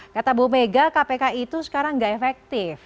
kata bu mega kpk itu sekarang nggak efektif